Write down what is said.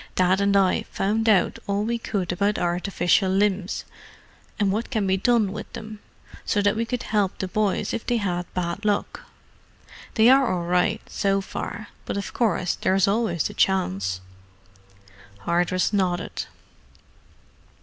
Dad and I found out all we could about artificial limbs, and what can be done with them, so that we could help the boys if they had bad luck. They are all right, so far, but of course there is always the chance." Hardress nodded.